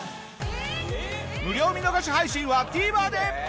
無料見逃し配信はＴＶｅｒで。